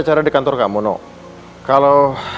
cara di kantor kamu no kalau